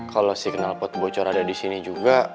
kalo signal pot bocor ada disini juga